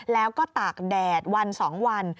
แล้วก็ตากแดดวัน๒วัน